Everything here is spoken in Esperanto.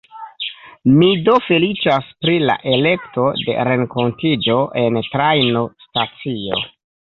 Mi do feliĉas pri la elekto de renkontiĝo en trajnostacio.